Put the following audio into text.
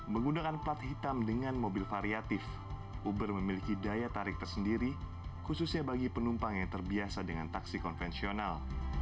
menggunakan plat hitam dengan mobil variatif uber memiliki daya tarik tersendiri khususnya bagi penumpang yang terbiasa dengan taksi konvensional